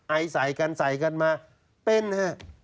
ไอใส่กันใส่กันมาเป็นฮะ